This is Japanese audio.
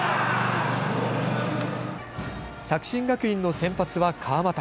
作新学院の先発は川又。